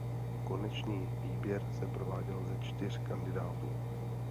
Konečný výběr se prováděl ze čtyř kandidátů.